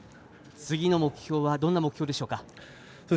次の目標はどんな目標でしょうか？